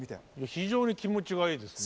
非常に気持ちがいいですね。